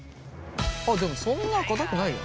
あっでもそんなかたくないや。